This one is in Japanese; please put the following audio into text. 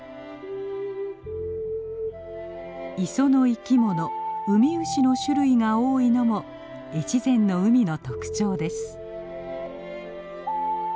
磯の生き物ウミウシの種類が多いのも越前の海の特徴です。